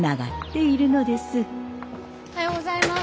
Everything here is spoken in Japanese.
おはようございます。